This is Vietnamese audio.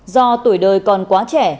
do tuổi đời còn quá trẻ